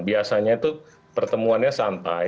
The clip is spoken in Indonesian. biasanya itu pertemuannya santai